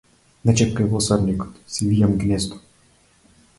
Не чепкај во осарникот, си вијам гнездо!